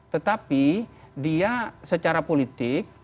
tetapi dia secara politik